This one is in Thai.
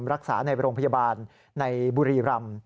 รักษาในโรงพยาบาลในบุรีรำ